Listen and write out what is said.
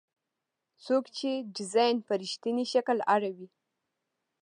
څوک چې ډیزاین په رښتیني شکل اړوي.